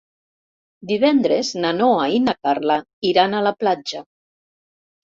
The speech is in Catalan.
Divendres na Noa i na Carla iran a la platja.